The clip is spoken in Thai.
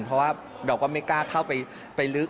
เพราะว่าเราก็ไม่กล้าเข้าไปลึก